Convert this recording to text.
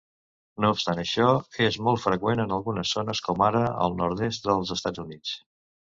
No obstant això, és molt freqüent en algunes zones, com ara el nord-est dels Estats Units.